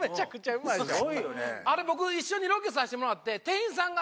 あれ僕一緒にロケさせてもらって。